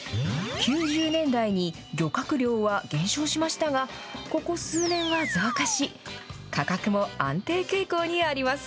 ９０年代に漁獲量は減少しましたが、ここ数年は増加し、価格も安定傾向にあります。